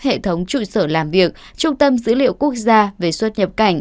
hiện tại em đang làm ở bên nước ngoài ạ